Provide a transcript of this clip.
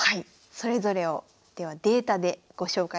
それぞれをではデータでご紹介していきたいと思います。